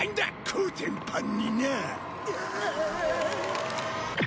コテンパンにな！